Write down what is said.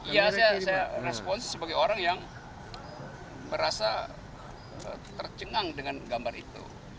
iya saya respons sebagai orang yang berasa tercengang dengan gambar itu